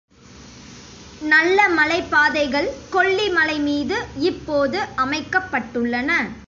நல்ல மலைப்பாதைகள் கொல்லி மலைமீது இப்போது அமைக்கப்பட்டுள்ளன.